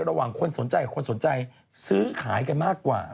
ระหว่างคนสนใจคนสนใจซื้อขายกันมากกว่า